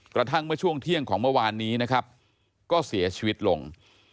กระทั่งเมื่อช่วงเที่ยงของเมื่อวานนี้นะครับก็เสียชีวิตลง